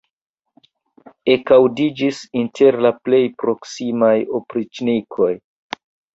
ekaŭdiĝis inter la plej proksimaj opriĉnikoj.